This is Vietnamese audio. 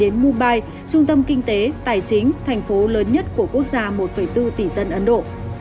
đến mubai trung tâm kinh tế tài chính thành phố lớn nhất của quốc gia một bốn tỷ dân ấn độ